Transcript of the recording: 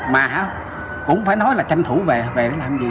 mà cũng phải nói là tranh thủ về về nó làm gì